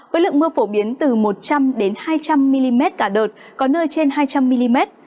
với lượng mưa phổ biến từ một trăm linh hai trăm linh mm cả đợt có nơi trên hai trăm linh mm